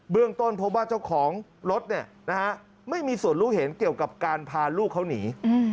เรื่องต้นพบว่าเจ้าของรถไม่มีส่วนรู้เห็นเกี่ยวกับการพาลูกเขาหนี